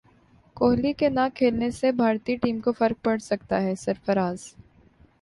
کوہلی کے نہ کھیلنے سے بھارتی ٹیم کو فرق پڑسکتا ہے سرفراز